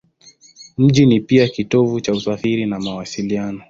Mji ni pia kitovu cha usafiri na mawasiliano.